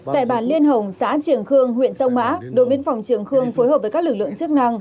tại bản liên hồng xã triều khương huyện sông mã đồn biên phòng triều khương phối hợp với các lực lượng chức năng